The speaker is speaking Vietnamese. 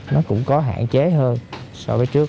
nó cũng có hạn chế hơn so với trước